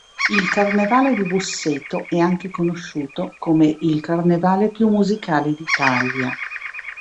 Il Carnevale di Busseto è anche conosciuto come "Il Carnevale più musicale d'Italia".